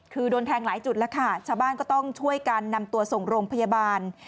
คือโดนแทงหลายจุดแล้วค่ะชาวบ้านก็ต้องช่วยกันนำตัวส่งโรงพยาบาล